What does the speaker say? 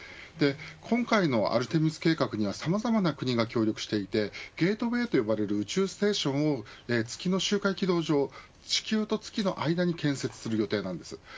今回のアルテミス計画にはさまざまな国が協力していてゲートウェイと呼ばれる宇宙ステーションを月の周回軌道上地球と月の間に建設する予定です。